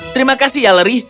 terima kasih yalery